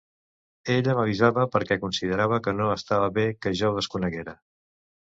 Ella m'avisava perquè considerava que no estava bé que jo ho desconeguera.